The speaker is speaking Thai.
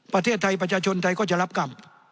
ประเทศไทยประชาชนไทยก็จะรับกรรม